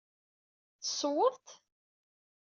Tessewweḍ-t?